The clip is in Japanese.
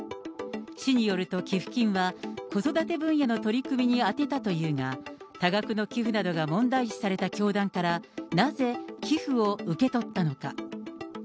市によると、寄付金は子育て分野の取り組みに充てたというが、多額の寄付などが問題視された教団から、なぜ寄付を受け取ったのか。